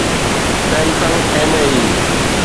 Samsung MAE